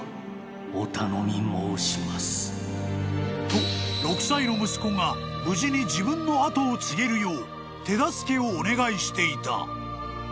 ［と６歳の息子が無事に自分の跡を継げるよう手助けをお願いしていた］